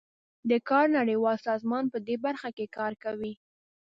د کار نړیوال سازمان پدې برخه کې کار کوي